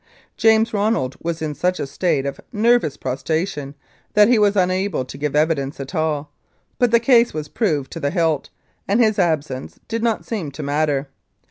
James Ronald was in such a state of nervous prostration that he was unable to give evidence at all, but the case was proved to the hilt, and his absence did not seem to matter.